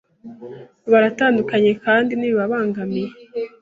Baratandukanye kandi ntibibabangamiye